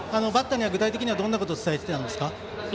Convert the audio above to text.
バッターには具体的にはどんなことを伝えてたんですか？